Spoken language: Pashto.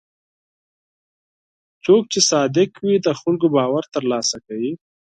څوک چې صادق وي، د خلکو باور ترلاسه کوي.